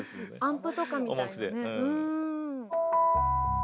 アンプとかみたいでね。